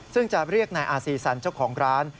ซึ่งจะเรียกนายอาซีสันเจ้าของร้าน